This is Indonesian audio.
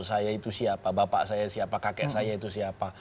saya itu siapa bapak saya siapa kakek saya itu siapa